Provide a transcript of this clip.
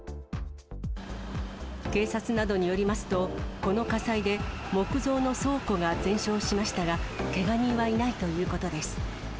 警察などによりますと、この火災で木造の倉庫が全焼しましたが、けが人はいないということです。